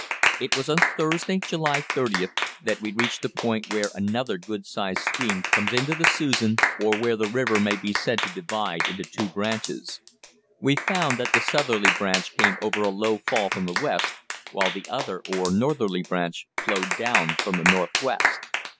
It was on Thursday, July 30, that we reached the point where another good sized stream comes into the Susan, or where the river may be said to divide into two branches. We found that the southerly branch came over a low fall from the west, while the other, or northerly branch, flowed down from the northwest.